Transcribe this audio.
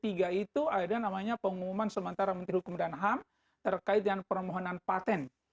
di tahun seribu sembilan ratus lima puluh tiga itu ada namanya pengumuman sementara menteri hukum dan ham terkait dengan permohonan patent